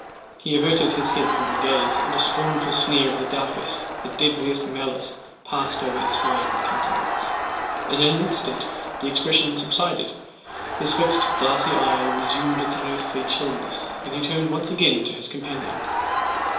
He averted his head from her gaze, and a scornful sneer of the darkest, the deadliest malice passed over his fine countenance. In an instant, the expression subsided; his fixed glassy eye resumed its unearthly chillness, and he turned once again to his companion.